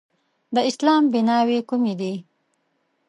د اسلام بیناوې کومې دي؟